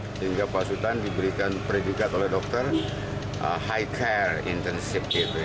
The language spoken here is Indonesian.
sehingga pak sutan diberikan peredikat oleh dokter high care intensive gitu ya